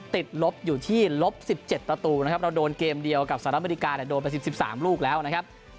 ติดลบอยู่ที่ลบ๑๗ประตูนะครับเราโดนเกมเดียวกับสหรัฐอเมริกาโดนไป๑๓ลูกแล้วนะครับ